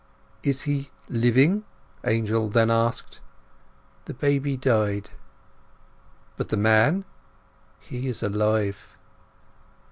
"Is he living?" Angel then asked. "The baby died." "But the man?" "He is alive."